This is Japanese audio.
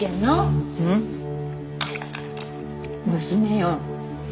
娘よ。